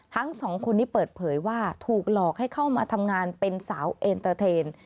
ทั้งสองคนนี้เปิดเผยว่าถูกหลอกให้เข้ามาทำงานเป็นสาวเอ็นเตอร์เทน